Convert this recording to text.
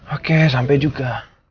oke sampe juga